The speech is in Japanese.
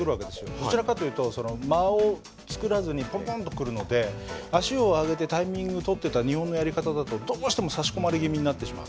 どちらかというと間を作らずにぽんぽんと来るので足を上げてタイミングをとってた日本のやり方だとどうしても差し込まれ気味になってしまう。